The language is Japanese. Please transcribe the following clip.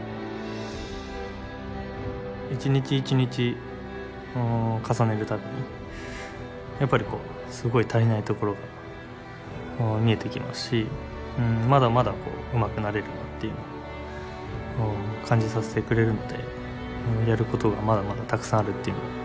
一日一日重ねる度にやっぱりこうすごい足りないところが見えてきますしまだまだうまくなれるなっていうのを感じさせてくれるのでやることがまだまだたくさんあるっていう。